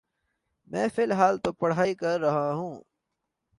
میں فلحال تو پڑہائی کر رہا۔